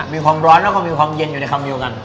มีความร้อนแล้วก็มีความเย็นอยู่ในคำเดียวกัน